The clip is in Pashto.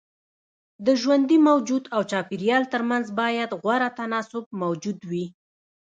د ژوندي موجود او چاپيريال ترمنځ بايد غوره تناسب موجود وي.